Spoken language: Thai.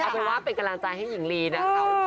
เอาเป็นว่าเป็นกำลังใจให้หญิงลีนะคะ